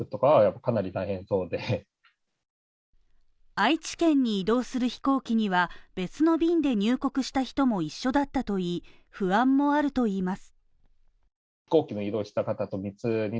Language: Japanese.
愛知県に移動する飛行機には別の便で入国した人も一緒だったといい不安もあるといいます。